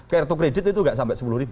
kartu kredit itu nggak sampai sepuluh